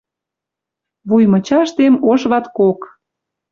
Вуй мычаштем ош ваткок